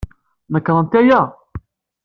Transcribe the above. Nekṛent aya?